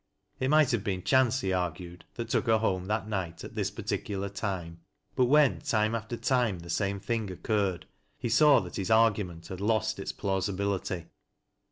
It might have been chance, he argued, that took her home that night at this particular time ; but when time after time, the same thing occurred, he saw that his arguujent had lost its plausibility.